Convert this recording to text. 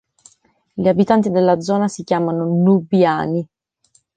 Gli abitanti della zona si chiamano nubiani.